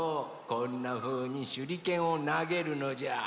こんなふうにしゅりけんをなげるのじゃ。